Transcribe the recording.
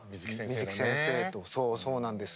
水木先生とそうそうなんです。